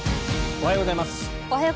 おはようございます。